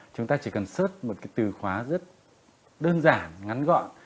chúng ta chỉ cần search một cái từ khóa rất đơn giản ngắn gọn